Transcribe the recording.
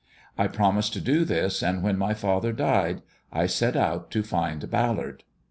I promised, to do this, and when my father died I set out to find Ballard.''